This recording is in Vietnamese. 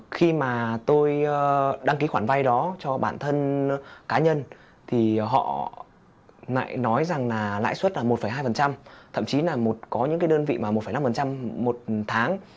khi mà tôi đăng ký khoản vay đó cho bản thân cá nhân thì họ nói rằng là lãi suất là một hai thậm chí là có những cái đơn vị mà một năm một tháng